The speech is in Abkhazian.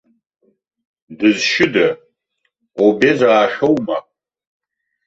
Дызшьыда, обезаа шәоума?